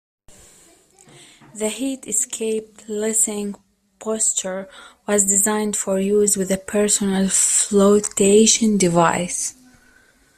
The Heat Escape Lessening Posture was designed for use with a Personal Floatation Device.